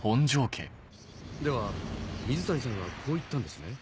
では水谷さんはこう言ったんですね？